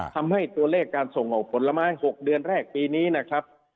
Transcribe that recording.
ทำให้ตัวเลขการส่งออกผลไม้๖เดือนแรกปีนี้นะครับ